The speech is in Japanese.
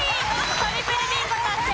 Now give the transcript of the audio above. トリプルビンゴ達成。